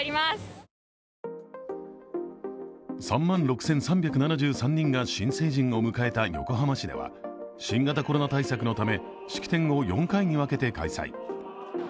３万６３７３人が新成人を迎えた横浜市では新型コロナ対策のため式典を４回に分けて開催。